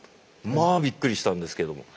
まあびっくりしたんですけども。